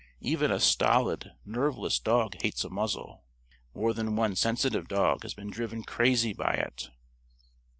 Even a stolid, nerveless dog hates a muzzle. More than one sensitive dog has been driven crazy by it.